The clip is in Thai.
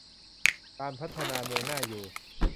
การพัฒนาเมืองน่าอยู่